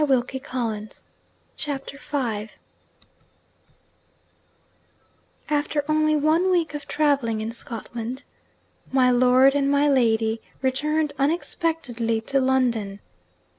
THE SECOND PART CHAPTER V After only one week of travelling in Scotland, my lord and my lady returned unexpectedly to London.